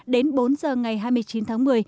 đến bốn giờ ngày hai mươi chín tháng một mươi